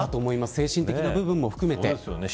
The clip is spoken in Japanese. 精神的な部分も含めて。